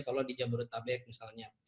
kalau di jabodetabek misalnya